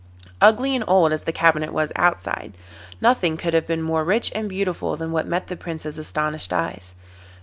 Ugly and old as the cabinet was outside, nothing could have been more rich and beautiful than what met the Prince's astonished eyes.